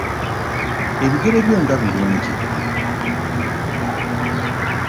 Ebigere byo nga birungi.